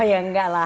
oh ya enggak lah